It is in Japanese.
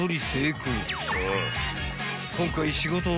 ［今回］